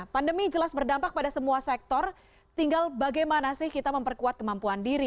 pandemi jelas berdampak pada semua sektor tinggal bagaimana sih kita memperkuat kemampuan diri